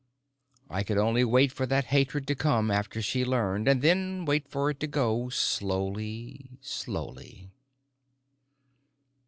I could only wait for that hatred to come after she learned, and then wait for it to go, slowly, slowly....